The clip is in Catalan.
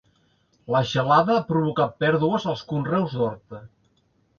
La gelada ha provocat pèrdues als conreus d'horta.